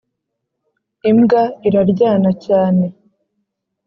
imbwa iraryana cyane